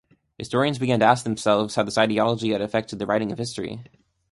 Historians began to ask themselves how this ideology had affected the writing of history.